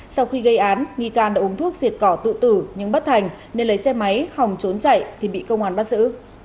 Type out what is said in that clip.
sau khi gây án nghi can đã uống thuốc diệt cỏ tự tử nhưng bất thành nên lấy xe máy hòng trốn chạy thì bị công an bắt giữ